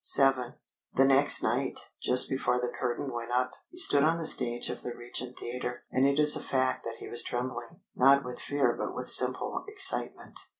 VII. The next night, just before the curtain went up, he stood on the stage of the Regent Theatre, and it is a fact that he was trembling not with fear but with simple excitement.